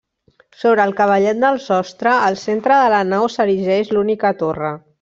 Sobre el cavallet del sostre, al centre de la nau s'erigeix l'única torre.